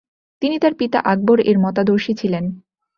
তিনি তার পিতা আকবর এর মতাদর্শী ছিলেন ।